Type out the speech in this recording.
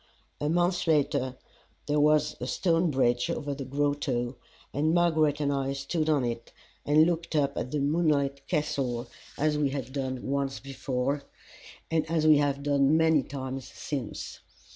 A month later there was a stone bridge above the grotto, and Margaret and I stood on it and looked up at the moonlit Castle, as we had done once before, and as we have done many times since.